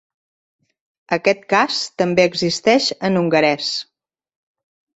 Aquest cas també existeix en hongarès.